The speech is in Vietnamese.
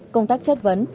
công tác chất vấn